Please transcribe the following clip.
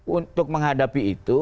untuk menghadapi itu